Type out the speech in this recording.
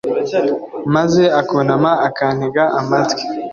maze akunama, akantega amatwi